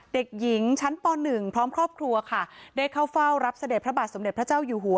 เด็กหญิงชั้นป๑พร้อมครอบครัวค่ะได้เข้าเฝ้ารับเสด็จพระบาทสมเด็จพระเจ้าอยู่หัว